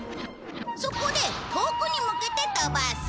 そこで遠くに向けて飛ばす。